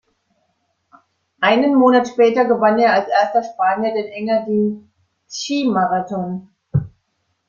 Einen Monat später gewann er als erster Spanier den Engadin Skimarathon.